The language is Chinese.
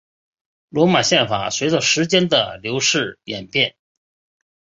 罗马宪法随着时间的流逝演变。